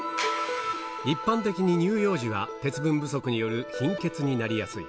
一般的に乳幼児は、鉄分不足による貧血になりやすい。